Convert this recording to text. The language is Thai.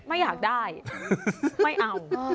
ไม่อยากได้ไม่เอา